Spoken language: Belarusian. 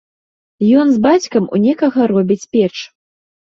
Ён з бацькам у некага робіць печ.